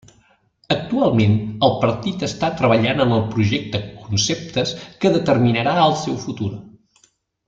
Actualment, el partit està treballant en el projecte Conceptes que determinarà el seu futur.